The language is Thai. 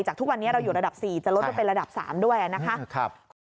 ทุกวันนี้เราอยู่ระดับ๔จะลดไปเป็นระดับ๓ด้วยนะคะ